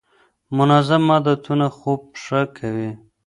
منظم عادتونه خوب ښه کوي.